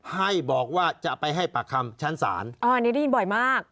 ให้บอกว่าจะไปให้ปากคำชั้นศาลอ๋ออันนี้ได้ยินบ่อยมาก